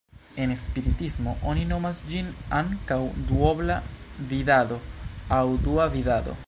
En spiritismo oni nomas ĝin ankaŭ "duobla vidado" aŭ "dua vidado".